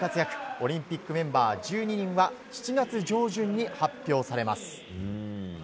オリンピックメンバー１２人は７月上旬に発表されます。